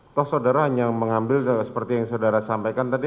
atau saudara hanya mengambil seperti yang saudara sampaikan tadi